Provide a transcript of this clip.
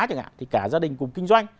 chẳng hạn thì cả gia đình cùng kinh doanh